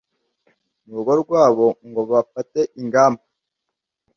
mu rugo rwabo ngo bafate ingamba